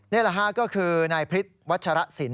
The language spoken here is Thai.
นี่แหละฮะก็คือนายพฤษวัชรสิน